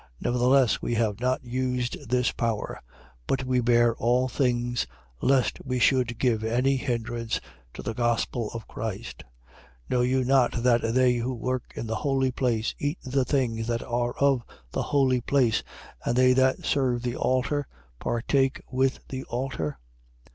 Nevertheless, we have not used this power: but we bear all things, lest we should give any hindrance to the gospel of Christ. 9:13. Know you not that they who work in the holy place eat the things that are of the holy place; and they that serve the altar partake with the altar?